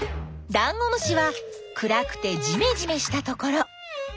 ダンゴムシは暗くてじめじめしたところ。